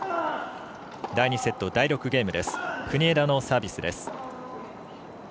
第２セット、第６ゲーム。